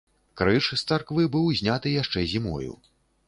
Крыж з царквы быў зняты яшчэ зімою.